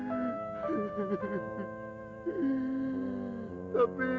gue tuh cinta banget sama dia